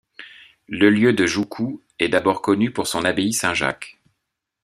Le lieu de Joucou est d'abord connu pour son abbaye Saint-Jacques.